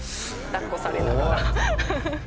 抱っこされながら。